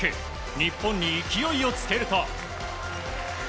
日本に勢いをつけると。